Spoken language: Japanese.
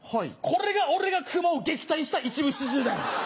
これが俺が熊を撃退した一部始終だよ。